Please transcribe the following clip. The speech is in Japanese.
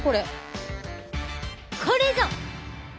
これぞ！